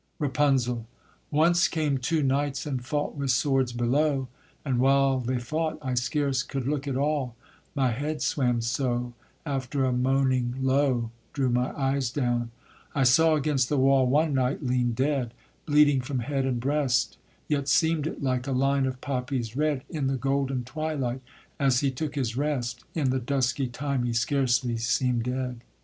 RAPUNZEL. Once came two knights and fought with swords below, And while they fought I scarce could look at all, My head swam so; after, a moaning low Drew my eyes down; I saw against the wall One knight lean dead, bleeding from head and breast, Yet seem'd it like a line of poppies red In the golden twilight, as he took his rest, In the dusky time he scarcely seemed dead.